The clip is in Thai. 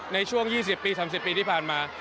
ในช่วง๒๐ปี๓๐ปีที่ผ่านมา